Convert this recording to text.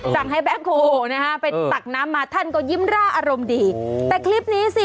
สั่งให้แบ็คโฮลนะฮะไปตักน้ำมาท่านก็ยิ้มร่าอารมณ์ดีแต่คลิปนี้สิ